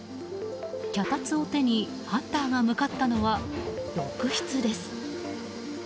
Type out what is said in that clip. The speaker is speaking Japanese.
脚立を手にハンターが向かったのは浴室です。